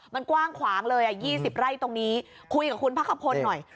มันกว้างขวางเลยอ่ะ๒๐ไร่ตรงนี้คุยกับคุณพักขพลหน่อย